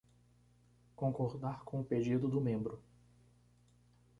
Concordar com o pedido do membro